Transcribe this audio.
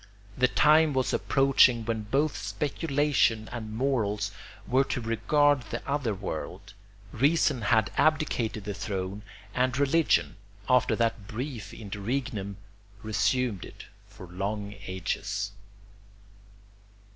The time was approaching when both speculation and morals were to regard the other world; reason had abdicated the throne, and religion, after that brief interregnum, resumed it for long ages.